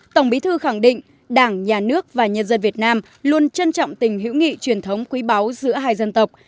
tổng bí thư khẳng định đảng nhà nước và nhân dân việt nam luôn trân trọng tình hữu nghị truyền thống quý báu giữa hai dân tộc